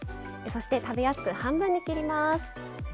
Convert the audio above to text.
そして、食べやすく半分に切ります。